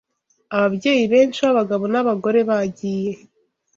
Ababyeyi benshi b’abagabo n’abagore bagiye